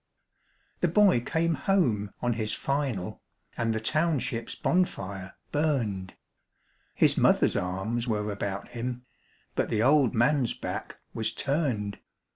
The boy came home on his "final", and the township's bonfire burned. His mother's arms were about him; but the old man's back was turned.